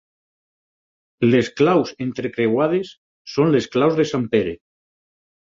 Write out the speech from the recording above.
Les claus entrecreuades són les claus de Sant Pere.